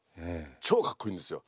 超かっこいいんですよ。